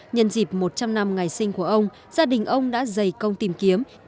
nhân dịp một trăm linh năm ngày sinh của ông gia đình ông đã dày công tìm kiếm